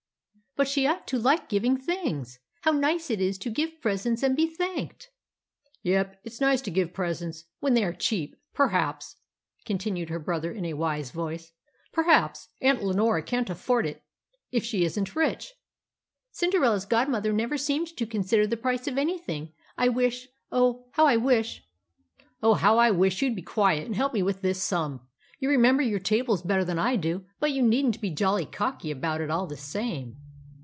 "But she ought to like giving things. How nice it is to give presents and be thanked!" "Yes; it's nice to give presents when they are cheap. Perhaps," continued her brother in a wise voice, "perhaps Aunt Leonora can't afford it if she isn't rich!" "Cinderella's godmother never seemed to consider the price of anything. I wish oh, how I wish " "Oh, how I wish you'd be quiet and help me with this sum. You remember your tables better than I do, but you needn't be jolly cocky about it all the same."